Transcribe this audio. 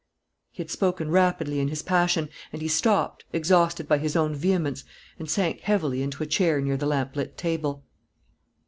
He had spoken rapidly in his passion; and he stopped, exhausted by his own vehemence, and sank heavily into a chair near the lamplit table.